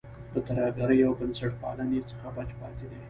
له ترهګرۍ او بنسټپالۍ څخه بچ پاتې دی.